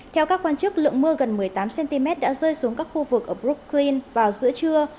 theo các quan chức lượng mưa gần một mươi tám cm đã rơi xuống các khu vực ở brooklyn vào giữa trưa